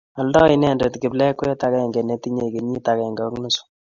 oldi inendet kiplekwet agenge ne tinyei kenyit agenge ak nusu